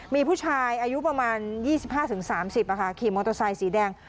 มีผู้ชายอายุประมาณ๒๕๓๐ขี่มอเตอร์ไซค์สีแดง